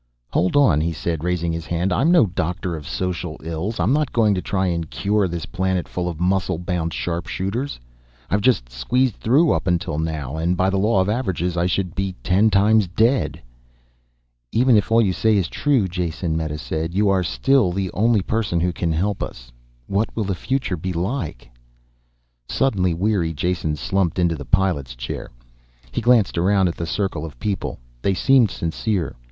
"Hold on," he said, raising his hand. "I'm no doctor of social ills. I'm not going to try and cure this planet full of muscle bound sharpshooters. I've just squeezed through up to now, and by the law of averages I should be ten times dead." "Even if all you say is true, Jason," Meta said, "you are still the only person who can help us. What will the future be like?" Suddenly weary, Jason slumped into the pilot's chair. He glanced around at the circle of people. They seemed sincere.